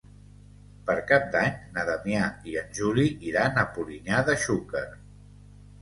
Per Cap d'Any na Damià i en Juli iran a Polinyà de Xúquer.